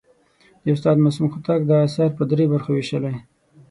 د استاد معصوم هوتک دا اثر پر درې برخو ویشلی.